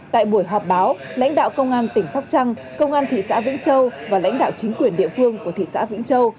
tại buổi họp báo lãnh đạo công an tỉnh sóc trăng công an thị xã vĩnh châu và lãnh đạo chính quyền địa phương của thị xã vĩnh châu